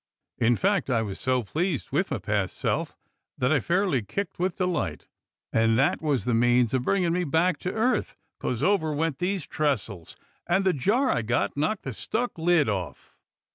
In fact I was so pleased with my past self that I fairly kicked with delight, and that was the means of bringin' me back to earth, 'cos over went these trestles, and the jar I got knocked the stuck lid off.